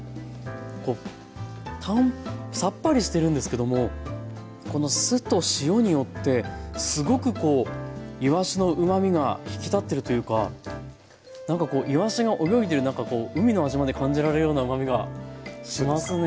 こうさっぱりしてるんですけどもこの酢と塩によってすごくこういわしのうまみが引き立ってるというか何かこういわしが泳いでる何かこう海の味まで感じられるようなうまみがしますね。